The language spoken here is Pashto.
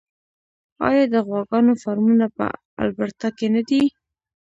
آیا د غواګانو فارمونه په البرټا کې نه دي؟